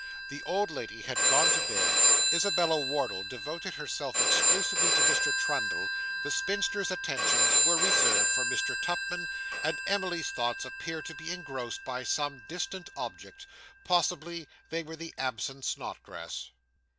The old lady had gone to bed; Isabella Wardle devoted herself exclusively to Mr. Trundle; the spinster's attentions were reserved for Mr. Tupman; and Emily's thoughts appeared to be engrossed by some distant object possibly they were with the absent Snodgrass.